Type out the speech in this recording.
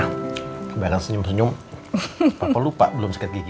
nah kebayang senyum senyum papa lupa belum sikat gigi